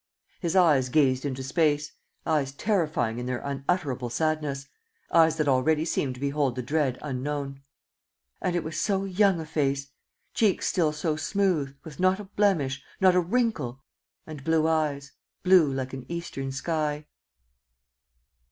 His eyes gazed into space, eyes terrifying in their unutterable sadness, eyes that already seemed to behold the dread unknown. And it was so young a face! Cheeks still so smooth, with not a blemish, not a wrinkle! And blue eyes, blue like an eastern sky!